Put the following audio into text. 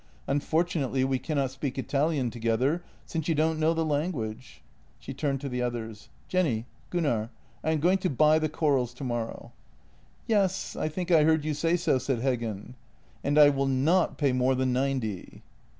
Unfortunately we cannot speak Italian together, since you don't know the language." She turned to the others. "Jenny, Gunnar — I am going to buy the corals tomorrow." " Yes; I think I heard you say so," said Heggen. " And I will not pay more than ninety."